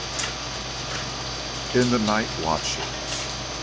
XIV. IN THE NIGHT WATCHES.